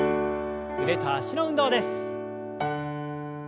腕と脚の運動です。